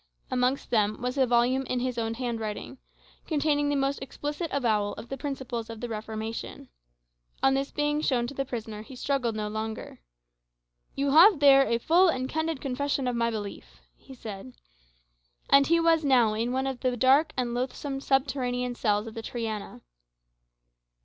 Amongst them was a volume in his own handwriting, containing the most explicit avowal of the principles of the Reformation. On this being shown to the prisoner, he struggled no longer. "You have there a full and candid confession of my belief," he said. And he was now in one of the dark and loathsome subterranean cells of the Triana.